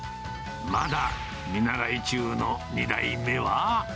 まだ見習い中の２代目は。